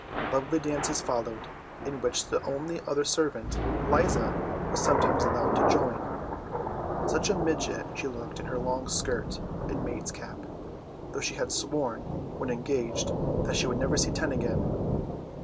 Lovely dances followed, in which the only other servant, Liza, was sometimes allowed to join. Such a midget she looked in her long skirt and maid's cap, though she had sworn, when engaged, that she would never see ten again.